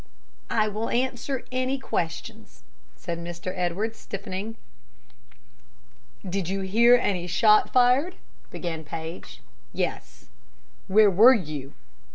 "I will answer any questions," said Mr. Edwards, stiffening. "Did you hear any shot fired?" began Paige. "Yes." "Where were you?"